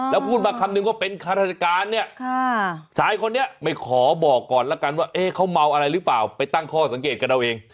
แล้วพูดมาคำนึงว่าเป็นข้าราชการเนี่ยชายคนนี้ไม่ขอบอกก่อนแล้วกันว่าเขาเมาอะไรหรือเปล่าไปตั้งข้อสังเกตกันเอาเอง